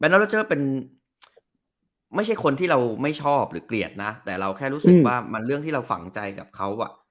น้องโรเจอร์เป็นไม่ใช่คนที่เราไม่ชอบหรือเกลียดนะแต่เราแค่รู้สึกว่ามันเรื่องที่เราฝังใจกับเขาอ่ะ